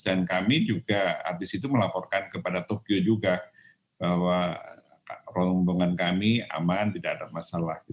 dan kami juga habis itu melaporkan kepada tokyo juga bahwa rombongan kami aman tidak ada masalah